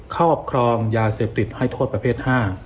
ครอบครองยาเสพติดให้โทษประเภท๕